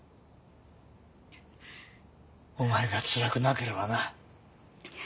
お前がつらくなければな。